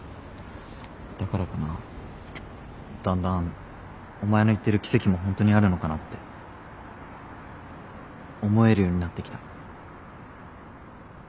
だからかなだんだんお前の言ってる奇跡も本当にあるのかなって思えるようになってきた。